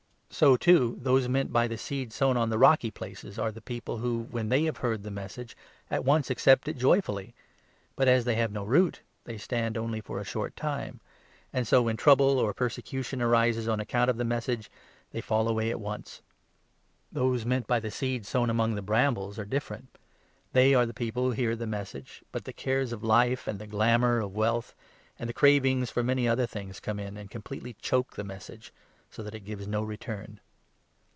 So, too, those meant by the seed sown on the rocky 16 places are the people who, when they have heard the Mes sage, at once accept it joyfully ; but, as they have no root, they 17 stand only for a short time ; and so, when trouble or persecu tion arises on account of the Message, they fall away at once. Those meant by the seed sown among the brambles are 18 different ; they are the people who hear the Message, but 19 the cares of life, and the glamour of wealth, and cravings for many other things come in and completely choke the Message, so that it gives no return.